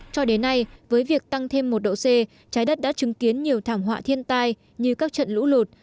cho đến nay với việc tăng thêm một độ c trái đất đã chứng kiến nhiều thảm họa thiên tai như các trận lũ lụt